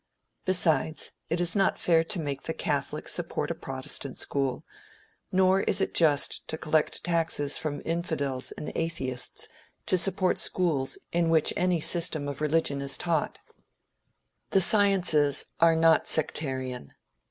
Besides, it is not fair to make the Catholic support a Protestant school, nor is it just to collect taxes from infidels and atheists to support schools in which any system of religion is taught. The sciences are not sectarian.